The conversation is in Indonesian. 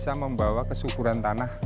dan bisa membawa kesyukuran tanah